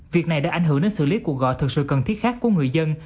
việc này đã ảnh hưởng đến xử lý cuộc gọi thực sự cần thiết khác của người dân